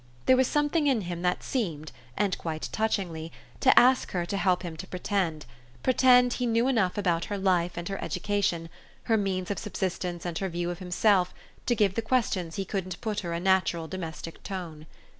There was something in him that seemed, and quite touchingly, to ask her to help him to pretend pretend he knew enough about her life and her education, her means of subsistence and her view of himself, to give the questions he couldn't put her a natural domestic tone.